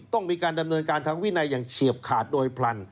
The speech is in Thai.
ต้องมีการดำเนินการทางวินัยอย่างเฉียบขาดโดยพลัน